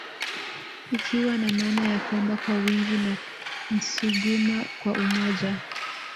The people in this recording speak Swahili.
Ikiwa na maana ya kwamba kwa wingi na Nsuguma kwa umoja